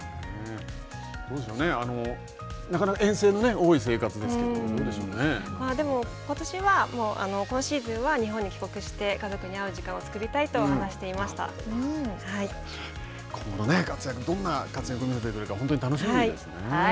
どうでしょうね、なかなか遠征の多い生活ですけど、どうでしょでも、今年は今シーズンは日本に帰国して家族に会う時間を作りたいと今後の活躍、どんな活躍を見せてくれるか本当に楽しみですね。